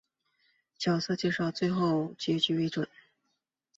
角色介绍以最后结局为准。